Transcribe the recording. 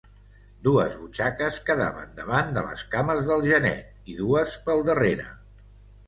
Dues butxaques quedaven davant de les cames del genet i dues pel darrere.